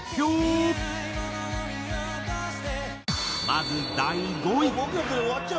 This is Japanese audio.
まず第５位。